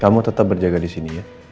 kamu tetap berjaga disini ya